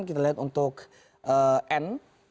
kita lihat untuk n